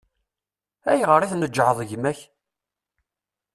Ayɣer i tneǧǧɛeḍ gma-k?